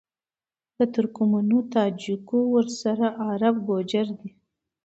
د ترکمــــنــــــو، د تاجـــــــــکــــو، ورســـــره عــــرب گـــوجـــر دي